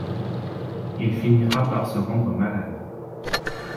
Il finira par se rendre malade !…